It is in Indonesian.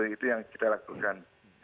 itu yang kita lakukan